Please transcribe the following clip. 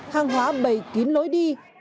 hàng hóa bầy kín lối đi